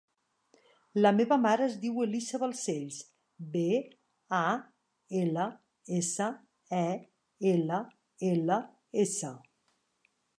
La meva mare es diu Elisa Balsells: be, a, ela, essa, e, ela, ela, essa.